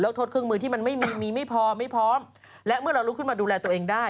โทษเครื่องมือที่มันไม่มีมีไม่พอไม่พร้อมและเมื่อเราลุกขึ้นมาดูแลตัวเองได้